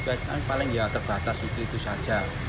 sekarang paling ya terbatas itu saja